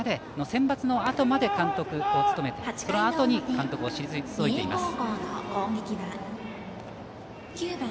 センバツのあとまで監督を務めてそのあとに監督を退いています。